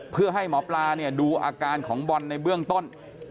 เพื่อให้หมอปลาเนี่ยดูอาการของบอลในเบื้องต้น